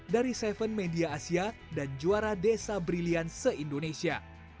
dari tujuh media asia dan juara desa briliant se indonesia